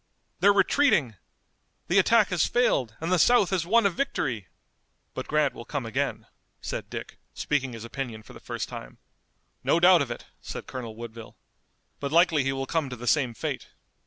they're retreating! The attack has failed and the South has won a victory!" "But Grant will come again," said Dick, speaking his opinion for the first time. "No doubt of it," said Colonel Woodville, "but likely he will come to the same fate."